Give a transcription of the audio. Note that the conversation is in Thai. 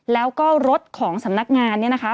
แล้วก็รถของสำนักงานเนี่ยนะคะ